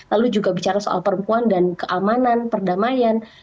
lalu juga bicara soal perempuan dan keamanan perdamaian